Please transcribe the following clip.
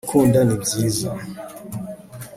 gukunda ni byiza